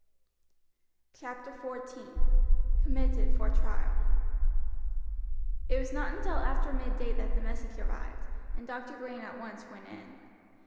CHAPTER XIV: COMMITTED FOR TRIAL It was not until after midday that the message arrived, and Dr. Green at once went in.